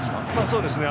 そうですね。